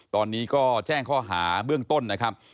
ตอนนี้ก็แจ้งข้อหาเบื้องต้นนะครับ